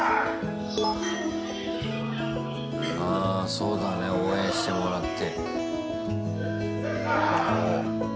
そうだね応援してもらって。